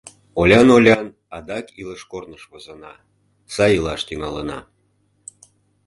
Олян-олян адак илыш корныш возына... сай илаш тӱҥалына...